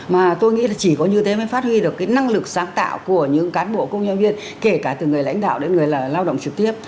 mà tôi nghĩ là chỉ có như thế mới phát huy được cái năng lực sáng tạo của những cán bộ công nhân viên kể cả từ người lãnh đạo đến người là lao động trực tiếp